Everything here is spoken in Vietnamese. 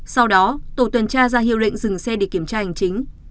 sau đó tổ tuần tra ra hiệu lệnh dừng xe để kiểm tra hành chính